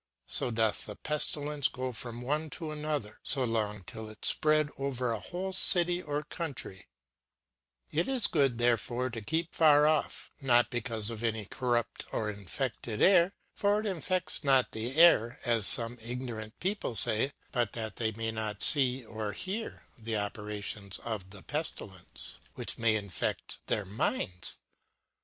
So doth the Peftilcnce go from one to another, fo long till it fpread o ver a whole City or Country : Ir is good there fore to keep far ofF; not becaulc of any corrupt cr infefted Aire, for it infeds not the Aire, ( as fome Ignorant people fay ) but that they may not fee or heare the operations of the Peftilencc, which ntay infe┬Żl their mindes.